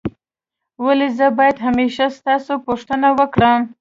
ولي زه باید همېشه ستاسو پوښتنه وکړم؟